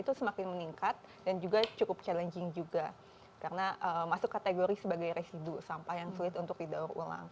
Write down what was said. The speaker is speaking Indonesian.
itu semakin meningkat dan juga cukup challenging juga karena masuk kategori sebagai residu sampah yang sulit untuk didaur ulang